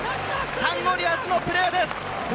サンゴリアスのプレーです。